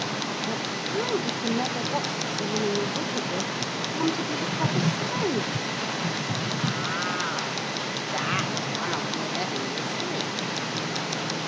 'But how did the megawhatsitsname and the Hippogriff come to be the proper size?' 'Ah! that's one of the eleven mysteries.